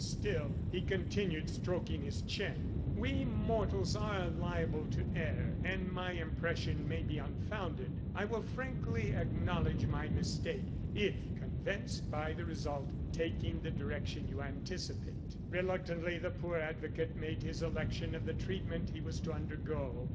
Still," he continued, stroking his chin, "we mortals are all liable to err, and my impression may be unfounded. I will frankly acknowledge my mistake if convinced by the result taking the direction you anticipate." Reluctantly the poor advocate made his election of the treatment he was to undergo.